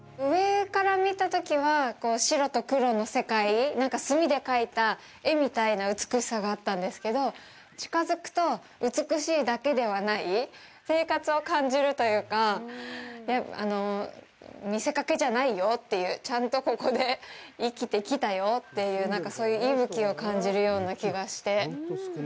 上から見たときは、白と黒の世界墨で描いた絵みたいな美しさがあったんですけど、近づくと美しいだけではない生活を感じるというか見せかけじゃないよというちゃんとここで生きてきたよっていうそういう息吹を感じるような気がして。